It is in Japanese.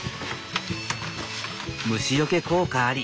虫よけ効果あり。